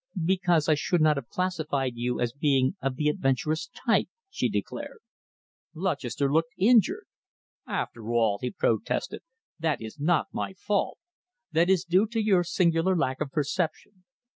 "Because I should not have classified you as being of the adventurous type," she declared. Lutchester looked injured. "After all," he protested, "that is not my fault. That is due to your singular lack of perception.